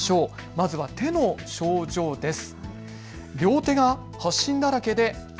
まずは手の症状です。